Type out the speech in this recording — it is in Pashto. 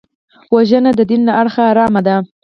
وژنه د دین له اړخه حرامه ده